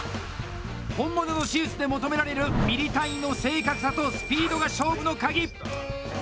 本物の手術で求められるミリ単位の正確さとスピードが勝負の鍵。